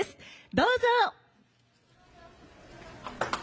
どうぞ！